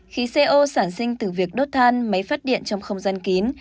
khí co sản sinh từ việc đốt than máy phát điện trong không gian kín